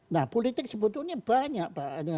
nah politik sebetulnya banyak pak